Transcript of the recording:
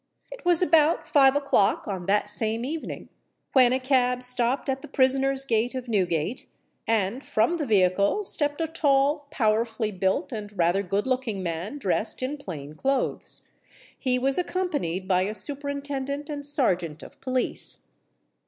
It was about five o'clock on that same evening when a cab stopped at the prisoners' gate of Newgate; and from the vehicle stepped a tall, powerfully built, and rather good looking man dressed in plain clothes. He was accompanied by a Superintendent and Serjeant of Police.